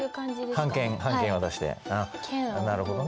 半券渡してなるほどね。